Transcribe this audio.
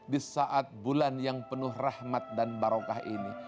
di saat bulan yang penuh rahmat dan barokah ini